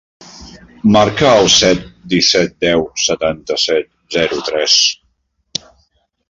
Marca el set, disset, deu, setanta-set, zero, tres.